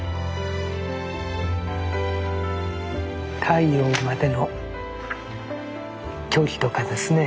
太陽までの距離とかですね